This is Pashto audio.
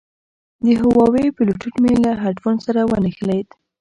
د هوواوي بلوتوت مې له هیډفون سره ونښلید.